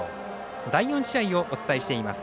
第４試合をお伝えしています。